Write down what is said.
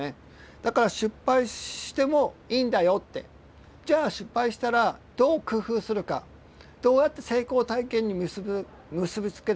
だから「失敗してもいいんだよ」って。じゃあ失敗したらどう工夫するかどうやって成功体験に結び付けるか。